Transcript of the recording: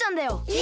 え！